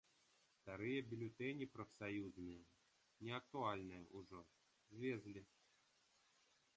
Старыя бюлетэні прафсаюзныя, неактуальныя ўжо, звезлі.